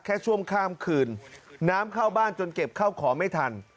ช่วงข้ามคืนน้ำเข้าบ้านจนเก็บข้าวของไม่ทัน